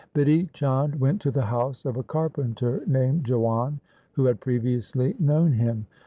Bidhi Chand went to the house of a carpenter named Jiwan who had previously known him.